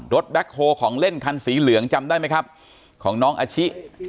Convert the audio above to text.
แบ็คโฮของเล่นคันสีเหลืองจำได้ไหมครับของน้องอาชิ